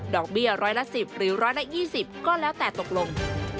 ดอกเบี้ยร้อยละ๑๐หรือร้อยละ๒๐ก็แล้วแต่ตกลง